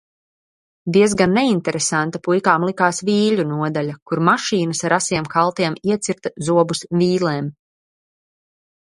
Diezgan neinteresanta puikām likās vīļu nodaļa, kur mašīnas, ar asiem kaltiem, iecirta zobus vīlēm.